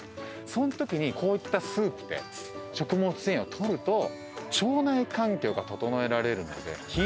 そんときにこういったスープで食物繊維を取ると腸内環境が整えられるので非常に優れものなんですよ。